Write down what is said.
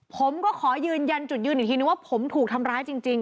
ผมก็ขอยืนยันจุดยืนอีกทีนึงว่าผมถูกทำร้ายจริง